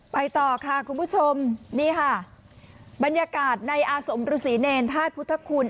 ไปต่อค่ะคุณผู้ชมนี่ค่ะบรรยากาศในอาสมฤษีเนรธาตุพุทธคุณ